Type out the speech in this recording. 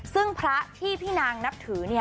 ซึ่งพระที่พี่นางนับถือ